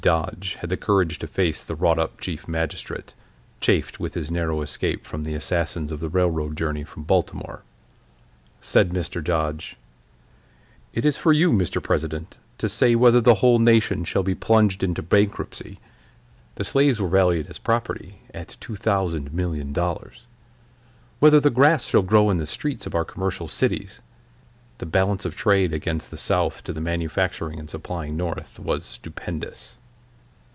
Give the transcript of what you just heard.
Dodge had the courage to face the wrought up Chief Magistrate, chafed with his narrow escape from the assassins of the railroad journey from Baltimore. Said Mr. Dodge: "It is for you, Mr. President, to say whether the whole nation shall be plunged into bankruptcy (the slaves were valued as property at two thousand million dollars!); whether the grass shall grow in the streets of our commercial cities." (The balance of trade against the South to the manufacturing and supplying North was stupendous.)